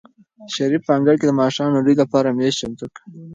شریف په انګړ کې د ماښام د ډوډۍ لپاره مېز چمتو کړ.